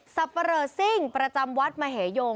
สับปะระหละสิ้งประจำวัดมหยง